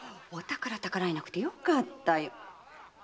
お宝をたかられなくてよかったよ。